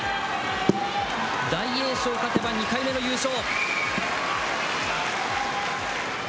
大栄翔勝てば、２回目の優勝。